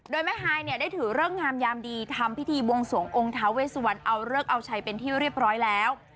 โดยแม่ฮายเนี่ยได้ถือเลิกงามยามดีทำพิธีบวงสวงองค์ท้าเวสวันเอาเลิกเอาชัยเป็นที่เรียบร้อยแล้ว